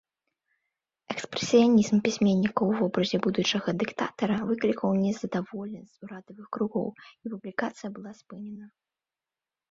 Экспрэсіянізм пісьменніка ў вобразе будучага дыктатара выклікаў незадаволенасць урадавых кругоў, і публікацыя была спынена.